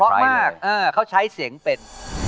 เพราะมากเขาใช้เสียงเป็น